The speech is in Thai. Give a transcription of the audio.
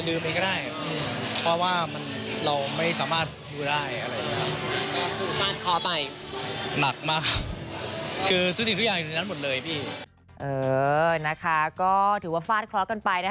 เออนะคะก็ถือว่าฟาดเคราะห์กันไปนะคะ